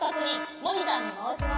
モニターにまわします。